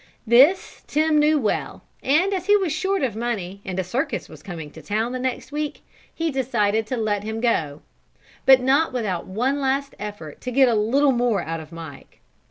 This Tim well knew and as he was short of money and a circus was coming to town the next week, he decided to let him go. But not without one last effort to get a little more out of Mike.